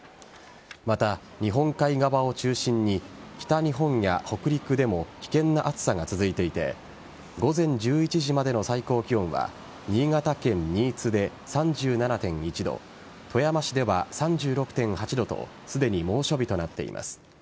また、日本海側を中心に北日本や北陸でも危険な暑さが続いていて午前１１時までの最高気温は新潟県新津で３７．１度富山市では３６．８度とすでに猛暑日となっています。